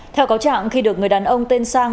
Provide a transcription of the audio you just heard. theo cáo trạng khi được người đàn ông tên sang